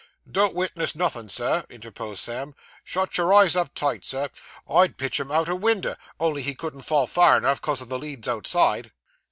'Don't witness nothin', Sir,' interposed Sam. 'Shut your eyes up tight, Sir. I'd pitch him out o' winder, only he couldn't fall far enough, 'cause o' the leads outside.